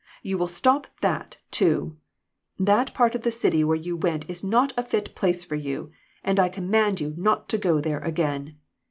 You will stop that, too. That part of the city where you went is not a fit place for you, and I command you not to go there again.